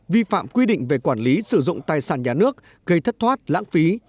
vi phạm quy định về quản lý sử dụng tài sản nhà nước gây thất thoát lãng phí